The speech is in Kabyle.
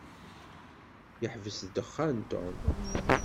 Yeḥbes ddexxan Tom.